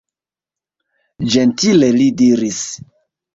Ĝentile li diris: